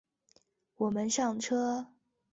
我们上车